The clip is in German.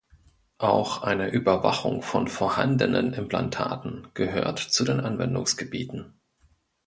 Auch eine Überwachung von vorhandenen Implantaten gehört zu den Anwendungsgebieten.